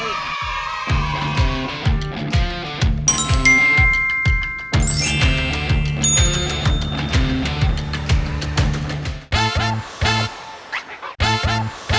โปรดติดตามตอนต่อไป